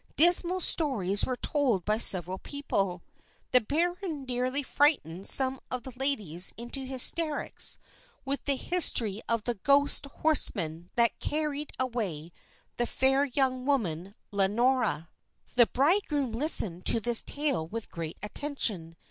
Dismal stories were told by several people. The baron nearly frightened some of the ladies into hysterics with the history of the ghost horseman that carried away the fair young woman, Lenora. The bridegroom listened to this tale with great attention.